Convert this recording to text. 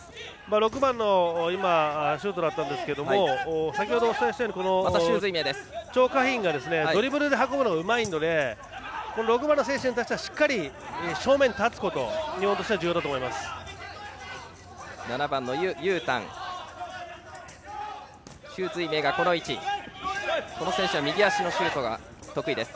６番のシュートだったんですけど先ほどお伝えしたように張家彬がドリブルで運ぶのがうまいので６番の選手に対してはしっかり正面に立つことが日本としては重要だと思います。